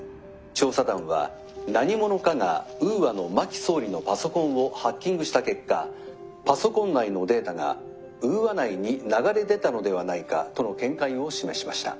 調査団は何者かがウーアの真木総理のパソコンをハッキングした結果パソコン内のデータがウーア内に流れ出たのではないかとの見解を示しました」。